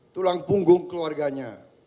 tulang punggung keluarganya